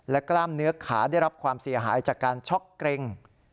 กล้ามเนื้อขาได้รับความเสียหายจากการช็อกเกร็ง